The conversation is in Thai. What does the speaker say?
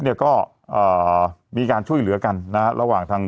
เนี่ยก็มีการช่วยเหลือกันนะฮะระหว่างทาง